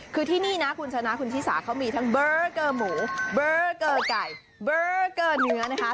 คือที่นี่นะคุณชนะคุณชิสาเขามีทั้งเบอร์เกอร์หมูเบอร์เกอร์ไก่เบอร์เกอร์เนื้อนะคะ